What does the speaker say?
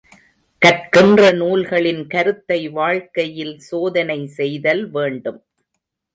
கற்கின்ற நூல்களின் கருத்தை வாழ்க்கையில் சோதனை செய்தல் வேண்டும்.